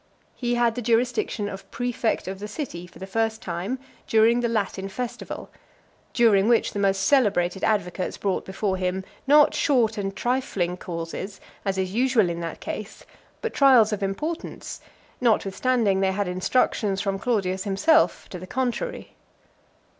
He had the jurisdiction of praefect of the city, for the first time, during the Latin festival; during which the most celebrated advocates brought before him, not short and trifling causes, as is usual in that case, but trials of importance, notwithstanding they had instructions from Claudius himself to the contrary.